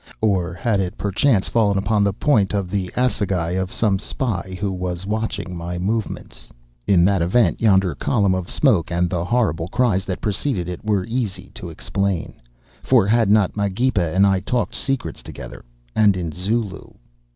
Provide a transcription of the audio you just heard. Or had it perchance fallen upon the point of the assegai of some spy who was watching my movements! In that event yonder column of smoke and the horrible cries that preceded it were easy to explain. For had not Magepa and I talked secrets together, and in Zulu?